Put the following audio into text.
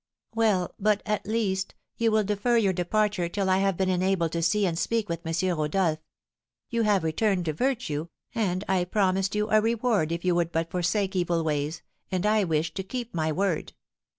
"Well, but, at least, you will defer your departure till I have been enabled to see and speak with M. Rodolph; you have returned to virtue, and I promised you a reward if you would but forsake evil ways, and I wish to keep my word.